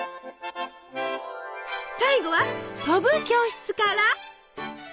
最後は「飛ぶ教室」から！